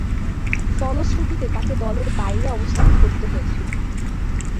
ফলশ্রুতিতে তাকে দলের বাইরে অবস্থান করতে হয়েছিল।